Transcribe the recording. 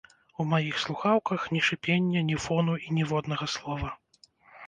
У маіх слухаўках ні шыпення, ні фону і ніводнага слова!